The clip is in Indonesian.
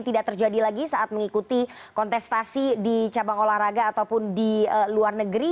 tidak terjadi lagi saat mengikuti kontestasi di cabang olahraga ataupun di luar negeri